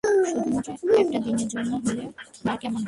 শুধুমাত্র একটা দিনের জন্যে হলেই বা কেমন হয়?